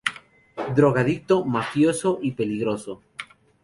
Drogadicto, mafioso y peligroso.